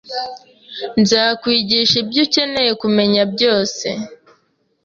Nzakwigisha ibyo ukeneye kumenya byose